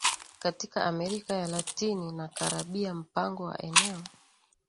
Katika Amerika ya Latini na Karabia mpango wa eneo